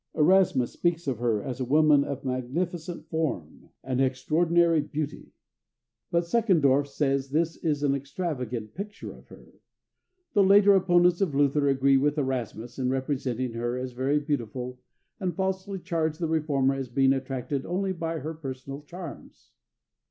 Erasmus speaks of her as a woman of magnificent form and extraordinary beauty; but Seckendorf says this is an extravagant picture of her. The later opponents of Luther agree with Erasmus in representing her as very beautiful, and falsely charge the Reformer as being attracted only by her personal charms.